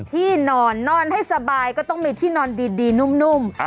ที่นอนนอนให้สบายก็ต้องมีที่นอนดีนุ่ม